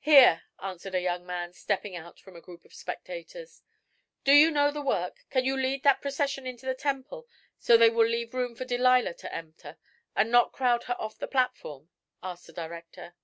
"Here," answered a young man, stepping out from a group of spectators. "Do you know the work? Can you lead that procession into the temple so they will leave room for Delilah to enter, and not crowd her off the platform?" asked the director.